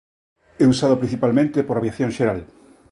É usado principalmente por aviación xeral.